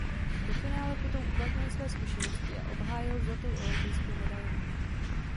Ve finále potom uplatnil své zkušenosti a obhájil zlatou olympijskou medaili.